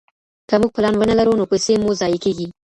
که موږ پلان ونه لرو نو پيسې مو ضايع کيږي.